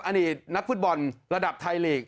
อดีตนักฟุตบอลระดับไทยลีก